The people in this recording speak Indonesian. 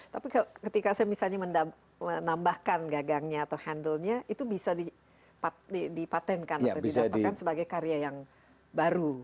tapi ketika saya misalnya menambahkan gagangnya atau handle nya itu bisa dipatenkan atau didapatkan sebagai karya yang baru